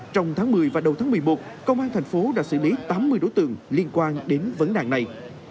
trong tháng một mươi và đầu tháng một mươi một công an thành phố đã xử lý tám mươi đối tượng liên quan đến vấn nạn này